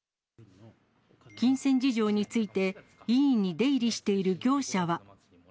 金銭事情について、医院に出入りしている業者は。